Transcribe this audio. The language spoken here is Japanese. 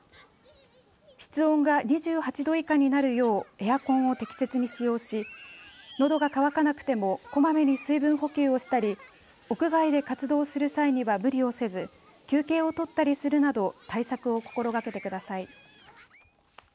室温が２８度以下になるようエアコンを適切に使用しのどが乾かなくてもこまめに水分補給をしたり屋外で活動する際には無理をせず休憩をとったりするなど対策を心がけてください。